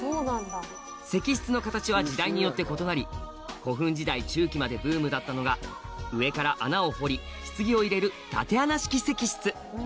石室の形は時代によって異なり古墳時代中期までブームだったのが上から穴を掘り棺を入れる竪穴式石室